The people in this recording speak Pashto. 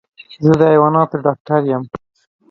زه د حيواناتو ډاکټر يم.